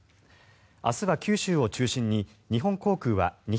明日は九州を中心に日本航空は２８２